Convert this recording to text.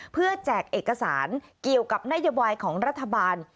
เพื่อแจกเอกสารเกี่ยวกับนโยบายของรัฐบาล